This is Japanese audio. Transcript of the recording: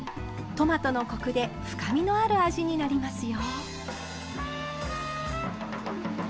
トマトのコクで深みのある味になりますよ。